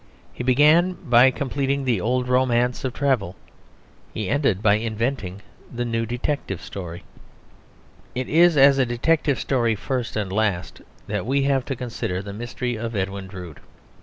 He began by completing the old romance of travel. He ended by inventing the new detective story. It is as a detective story first and last that we have to consider The Mystery of Edwin Drood.